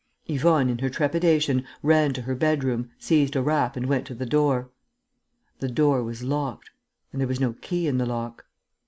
Yvonne, in her trepidation, ran to her bedroom, seized a wrap and went to the door. The door was locked; and there was no key in the lock.